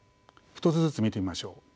１つずつ見てみましょう。